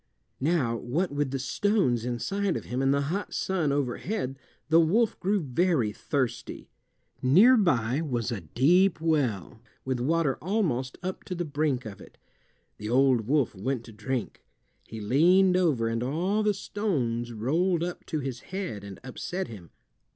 Now what with the stones inside of him and the hot sun overhead the wolf grew very thirsty. Near by was a deep well, with water almost up to the brink of it. The old wolf went to drink. He leaned over, and all the stones rolled up to his head and upset him.